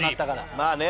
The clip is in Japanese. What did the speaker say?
まあね